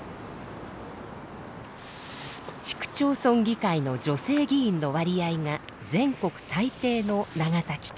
市区町村議会の女性議員の割合が全国最低の長崎県。